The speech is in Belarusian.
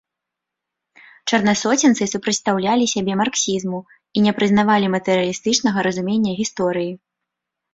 Чарнасоценцы супрацьстаўлялі сябе марксізму і не прызнавалі матэрыялістычнага разумення гісторыі.